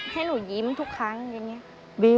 ให้หนูยิ้มทุกครั้งอย่างนี้